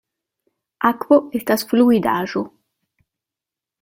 Akvo estas fluidaĵo.